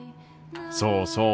そうそう。